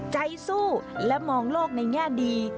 ใจสู้และมองโลกในแง่ดี